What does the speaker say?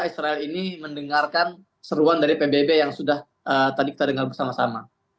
israel ini mendengarkan seruan dari pbb yang sudah tadi kita dengar bersama sama